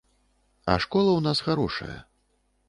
А школа ў нас харошая.